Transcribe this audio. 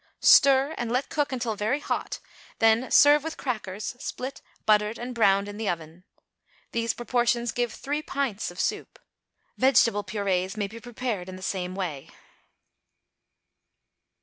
Stir, and let cook until very hot; then serve with crackers, split, buttered, and browned in the oven. These proportions give three pints of soup. Vegetable purées may be prepared in the same way.